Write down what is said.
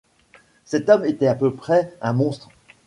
Cet homme était à peu près un monstre.